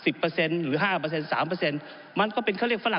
ผมอภิปรายเรื่องการขยายสมภาษณ์รถไฟฟ้าสายสีเขียวนะครับ